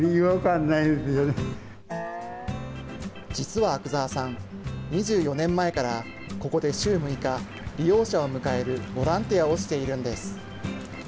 実は阿久澤さん、２４年前からここで週６日、利用者を迎えるボランティアをしているんです。